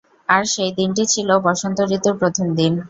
আর সেই দিনটি ছিল বসন্ত ঋতুর প্রথম দিন।